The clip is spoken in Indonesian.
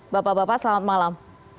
bapak bapak selamat malam